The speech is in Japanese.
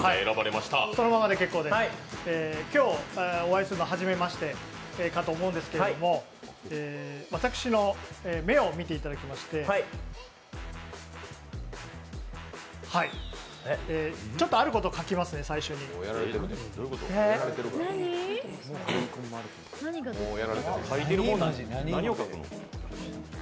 そのままで結構です今日、お会いするのは初めましてかと思うんですけれども、私の目を見ていただきましてはい、ちょっとあることを最初に書きますね。